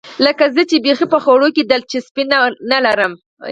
لکه زه چې بیخي په خوړو کې دلچسپي نه لرم.